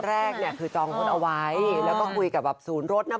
แรกเนี่ยคือจองรถเอาไว้แล้วก็คุยกับแบบศูนย์รถนะ